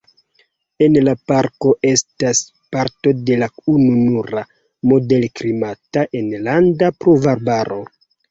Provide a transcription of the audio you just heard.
En la parko estas parto de la ununura moderklimata enlanda pluvarbaro.